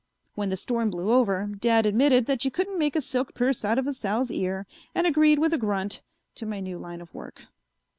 When the storm blew over, Dad admitted that you couldn't make a silk purse out of a sow's ear and agreed with a grunt to my new line of work.